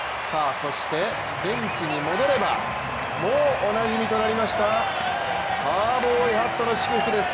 ベンチに戻れば、もうおなじみとなりましたカウボーイハットの祝福です。